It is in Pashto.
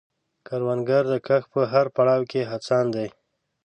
کروندګر د کښت په هر پړاو کې هڅاند دی